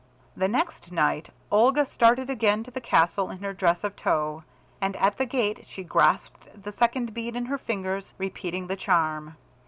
The next night Olga started again to the castle in her dress of tow, and at the gate she grasped the second bead in her fingers, repeating the charm.